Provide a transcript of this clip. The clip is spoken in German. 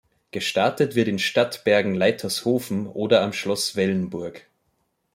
Gestartet wird in Stadtbergen-Leitershofen oder am Schloss Wellenburg.